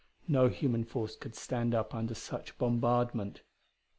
No human force could stand up under such a bombardment.